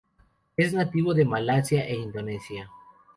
Es nativo de Malasia e Indonesia.